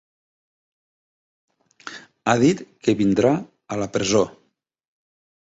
Ha dit que vindrà a la presó.